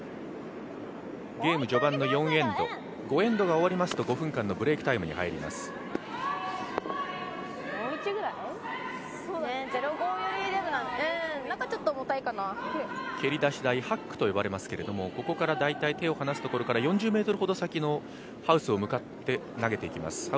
ゲーム序盤の４エンド、５エンドが終わりますと５分間のブレークタイムに入ります蹴り出し台、ハックと呼ばれますけれどもここから手を離すところから４０ｍほど先のハウスに向かって投げていきます。